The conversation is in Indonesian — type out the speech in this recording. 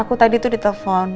aku tadi tuh di telpon